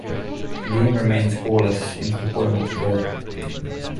The game remained scoreless into the bottom of the third.